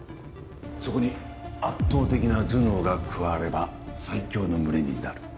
そこに圧倒的な頭脳が加われば最強の群れになる。